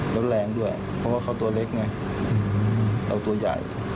แล้วแรงด้วยเพราะว่าเขาตัวเล็กไงเราตัวใหญ่